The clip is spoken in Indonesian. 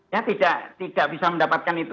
ya tidak bisa mendapatkan itu